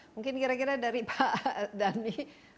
mungkin kira kira dari pak dhani